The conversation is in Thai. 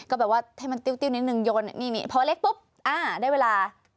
ก็แบบว่าให้มันติ้วนิดนึงโยนนี่พอเล็กปุ๊บอ่าได้เวลา